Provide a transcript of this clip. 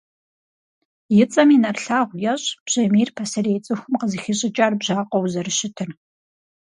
И цӀэми нэрылъагъу ещӀ бжьамийр пасэрей цӀыхум къызыхищӀыкӀар бжьакъуэу зэрыщытыр.